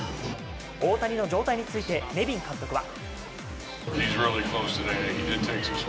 大谷の状態についてネビン監督は。